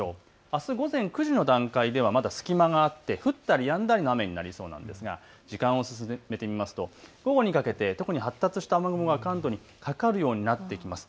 あす午前９時の段階ではまだ隙間があって降ったりやんだりの雨になりそうなんですが時間を進めてみますと午後にかけて特に発達した雨雲が関東にかかるようになってきます。